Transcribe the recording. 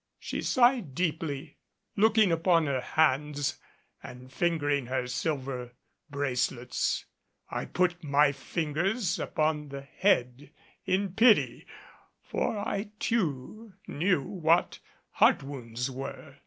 She sighed deeply, looking upon her hands and fingering her silver bracelets. I put my fingers upon the head in pity, for I too knew what heart wounds were.